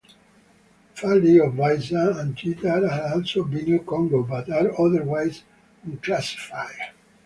Fali of Baissa and Tita are also Benue-Congo but are otherwise unclassified.